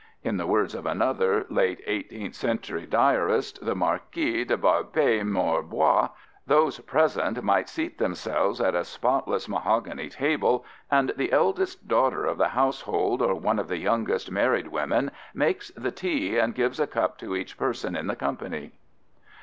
" In the words of another late 18th century diarist, the Marquis de Barbé Marbois, those present might "seat themselves at a spotless mahogany table, and the eldest daughter of the household or one of the youngest married women makes the tea and gives a cup to each person in the company."